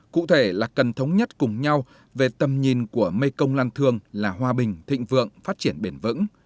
cụ thể là cần thống nhất cùng nhau về tầm nhìn của mekong lan thương là hòa bình thịnh vượng phát triển bền vững